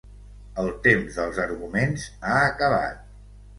El temps dels arguments ha acabat.